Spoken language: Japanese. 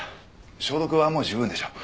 消毒はもう十分でしょう。